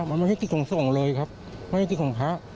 มันไม่ใช่ติดของส่งเลยครับไม่ใช่ติดของพระ